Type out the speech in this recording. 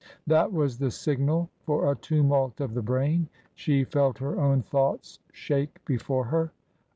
That was the signal for a tumult of the brain. She felt her own thoughts shake before her.